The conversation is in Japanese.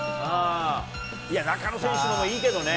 いや、中野選手のもいいけどね。